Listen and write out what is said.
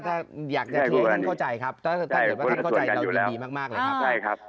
ถ้าเห็นว่าเขาเข้าใจนะครับต้องเห็นดีมากเลยครับ